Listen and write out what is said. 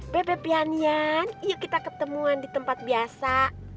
bebek ian ian yuk kita ketemuan di tempat biasa